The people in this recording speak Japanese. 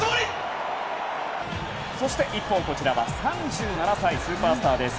そして一方、こちらは３７歳スーパースターです。